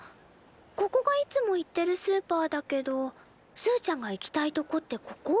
ここがいつも行ってるスーパーだけどすーちゃんが行きたいとこってここ？